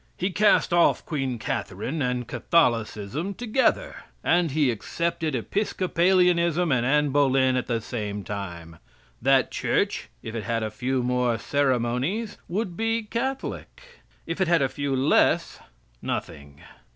He cast off Queen Catherine and Catholicism together. And he accepted Episcopalianism and Annie Boleyn at the same time. That Church, if it had a few more ceremonies, would be Catholic. If it had a few less, nothing.